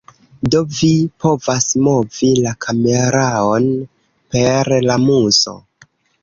Do vi povas movi la kameraon per la muso.